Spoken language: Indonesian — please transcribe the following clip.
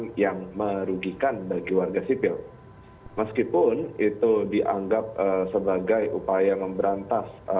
yang merugikan bagi warga sipil meskipun itu dianggap sebagai upaya memberantas